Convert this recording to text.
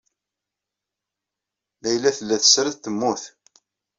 Layla tella tesred, temmut.